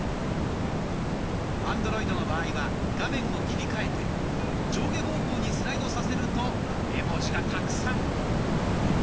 アンドロイドの場合は画面を切り替えて上下方向にスライドさせると絵文字がたくさん。